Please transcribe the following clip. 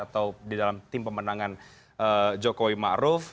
atau di dalam tim pemenangan jokowi ma'ruf